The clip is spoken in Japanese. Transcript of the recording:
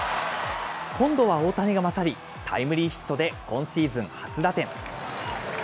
今度は大谷が勝り、タイムリーヒットで今シーズン初打点。